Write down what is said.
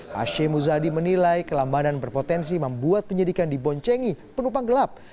hashim muzadi menilai kelambanan berpotensi membuat penyidikan diboncengi penumpang gelap